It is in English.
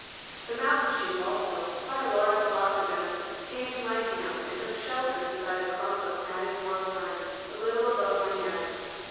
The mountain sheep also, quite a large flock of them, came to my camp and took shelter beside a clump of matted dwarf pines a little above my nest.